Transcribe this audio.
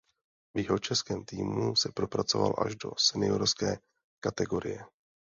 V jihočeském týmu se propracoval až do seniorské kategorie.